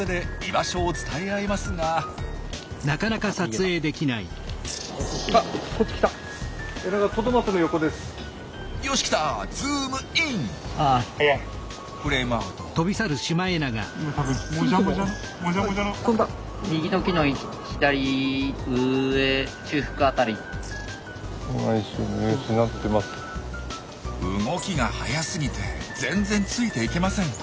動きが速すぎて全然ついていけません。